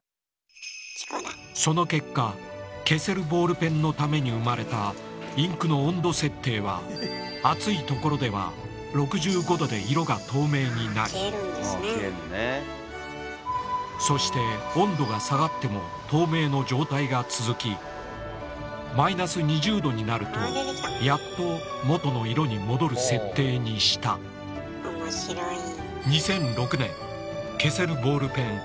その結果消せるボールペンのために生まれたインクの温度設定は熱いところでは６５℃で色が透明になりそして温度が下がっても透明の状態が続きマイナス２０℃になるとやっともとの色に戻る設定にした売れた。